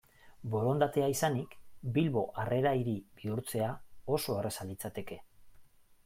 Borondatea izanik, Bilbo Harrera Hiri bihurtzea oso erraza litzateke.